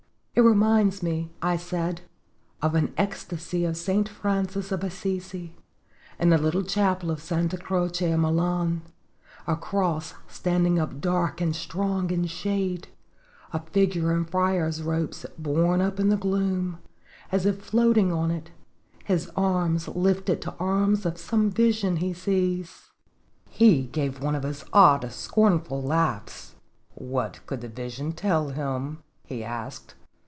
"It reminds me," I said, "of an ecstasy of Saint Francis of Assisi, in a little chapel of Santa Croce in Milan a cross standing up dark and strong in shade, a figure in friar's robes borne up in the gloom, as if floating on it, his arms lifted to arms of some vision he sees." He gave one of his odd, scornful laughs'. " What could the vision tell him?" he asked.